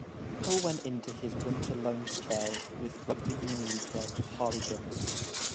Paul went into his winter loan spell with rugby union club Harlequins.